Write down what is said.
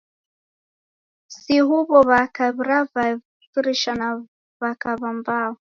Si huw'o w'aka w'aravarishwa ni w'aka w'ambao.